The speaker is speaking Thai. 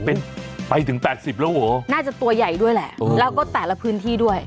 เป็นไปถึง๘๐แล้วเหรอน่าจะตัวใหญ่ด้วยแหละแล้วก็แต่ละพื้นที่ด้วย